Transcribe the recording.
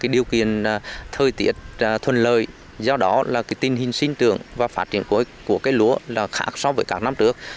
điều kiện thời tiết thuận lợi do đó là tình hình sinh trưởng và phát triển của cây lúa khác so với các năm trước